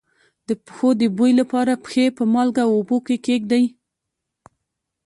د پښو د بوی لپاره پښې په مالګه اوبو کې کیږدئ